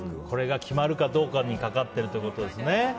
これが決まるかどうかにかかっているってことですね。